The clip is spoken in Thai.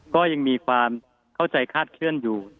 ก็ยังมีความเข้าใจคาดเคลื่อนอยู่